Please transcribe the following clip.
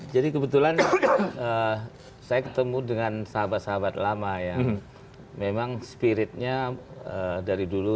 jadi kebetulan saya ketemu dengan sahabat sahabat lama yang memang spiritnya dari dulu